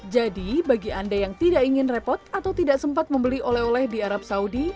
jadi bagi anda yang tidak ingin repot atau tidak sempat membeli oleh oleh di arab saudi